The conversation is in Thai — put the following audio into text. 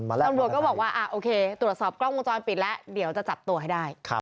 ตำรวจก็บอกว่าโอเคตรวจสอบกล้องวงจรปิดแล้วเดี๋ยวจะจับตัวให้ได้